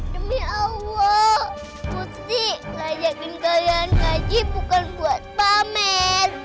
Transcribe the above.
demi allah mesti layakin kalian ngaji bukan buat pamer